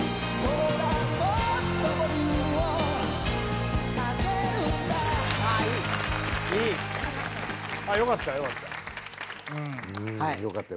うんよかったよかった。